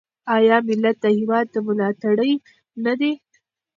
آیا ملت د هیواد ملاتړی نه دی؟